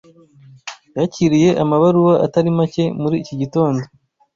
Yakiriye amabaruwa atari make muri iki gitondo.